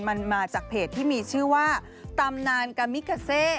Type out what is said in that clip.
มันมาจากเพจที่มีชื่อว่าตำนานกามิคาเซ